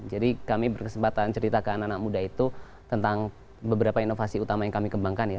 jadi kami berkesempatan ceritakan anak anak muda itu tentang beberapa inovasi utama yang kami kembangkan ya